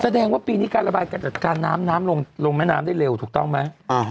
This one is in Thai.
แสดงว่าปีนี้การระบายการจัดการน้ำน้ำลงแม่น้ำได้เร็วถูกต้องไหม